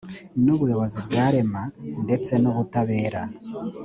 n ubuyobozi bwa rema ndetse n ubutabera